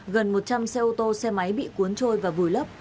gần một trăm linh xe ô tô xe máy bị cuốn trôi và vùi lấp